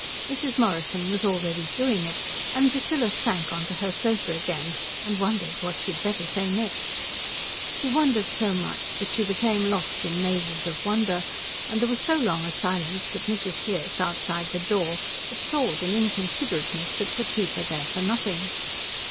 Mrs. Morrison was already doing it; and Priscilla sank on to her sofa again and wondered what she had better say next. She wondered so much that she became lost in mazes of wonder, and there was so long a silence that Mrs. Pearce outside the door deplored an inconsiderateness that could keep her there for nothing.